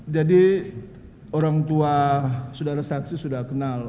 jadi orang tua saudara saksi sudah kenal